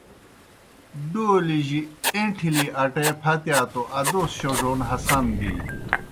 ڈولییْ جیْ این٘ٹھلی اٹے پھتِیا توْ ادوس شوڙون ہسان بِی۔